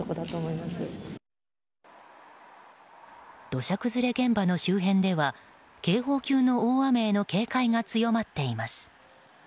土砂崩れ現場の周辺では警報級の大雨への警戒が強まっています。